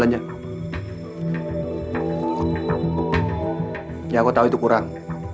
ya aku tau itu kurang